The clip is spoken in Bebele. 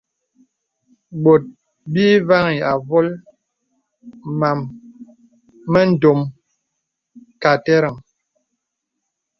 Bòt bì vàŋhī āvōl màm mə ndòm kà àterəŋ.